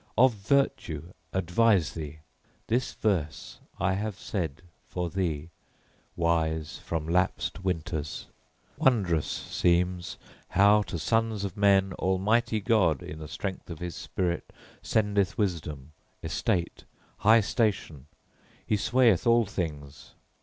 Of virtue advise thee! This verse I have said for thee, wise from lapsed winters. Wondrous seems how to sons of men Almighty God in the strength of His spirit sendeth wisdom, estate, high station: He swayeth all things.